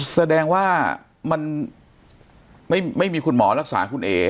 แสดงว่ามันไม่มีคุณหมอรักษาคุณเอ๋